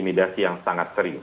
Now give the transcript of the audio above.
intimidasi yang sangat serius